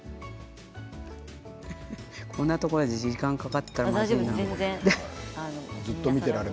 こんなところで時間がかかっていたらまずいな。